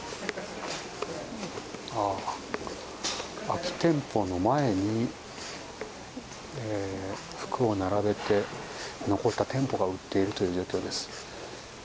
空き店舗の前に服を並べて残った店舗が売っているという状況です。